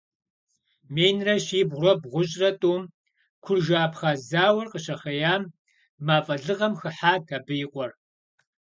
Минрэ щибгъурэ бгъущӀрэ тӀум, куржы-абхъаз зауэр къыщыхъеям, мафӀэ лыгъэм хыхьат абы и къуэр.